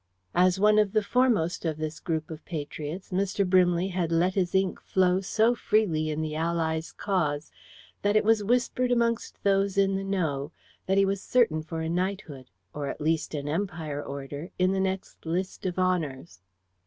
As one of the foremost of this group of patriots, Mr. Brimley had let his ink flow so freely in the Allies' cause that it was whispered amongst those "in the know" that he was certain for a knighthood, or at least an Empire Order, in the next list of honours.